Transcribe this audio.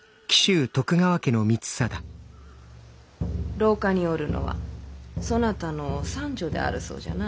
・廊下におるのはそなたの三女であるそうじゃな。